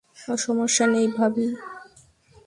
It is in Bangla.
সমস্যা নেই, ভাবি।